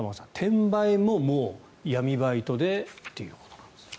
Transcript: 転売も闇バイトでということなんですね。